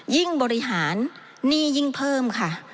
บริหารหนี้ยิ่งเพิ่มค่ะ